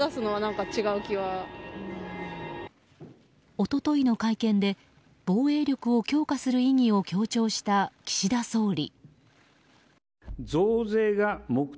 一昨日の会見で防衛力を強化する意義を強調した岸田総理。